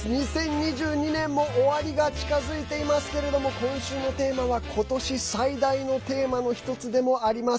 ２０２２年も終わりが近づいていますけれども今週のテーマは今年最大のテーマの１つでもあります。